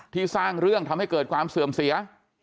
สร้างเรื่องทำให้เกิดความเสื่อมเสีย